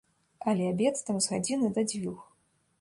Але абед там з гадзіны да дзвюх.